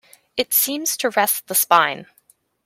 It seems to rest the spine.